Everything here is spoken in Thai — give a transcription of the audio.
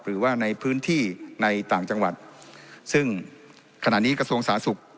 หรือว่าในพื้นที่ในต่างจังหวัดซึ่งขณะนี้กระทรวงสาธารณสุข